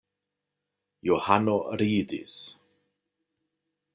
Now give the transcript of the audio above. Johano ridis.